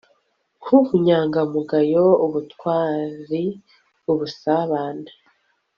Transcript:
nk'ubunyangamugayo, ubutwari, ubusabane